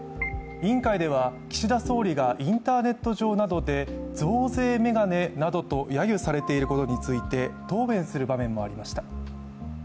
委員会では、岸田総理がインターネット上などで増税メガネなどとやゆされていることについて答弁する場面もありました。